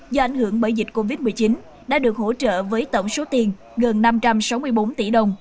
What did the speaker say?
do ảnh hưởng bởi dịch covid một mươi chín đã được hỗ trợ với tổng số tiền gần năm trăm sáu mươi bốn tỷ đồng